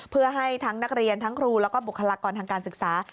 เพื่อให้ทั้งนักเรียนทั้งครูแล้วก็บุคลากรทางการศึกษา